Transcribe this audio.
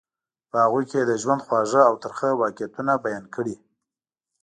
په هغوی کې یې د ژوند خوږ او ترخه واقعیتونه بیان کړي.